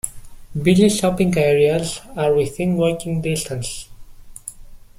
Busy shopping areas are within walking distance.